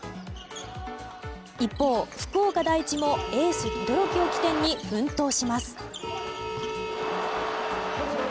一方、福岡第一もエース轟を起点に奮闘します。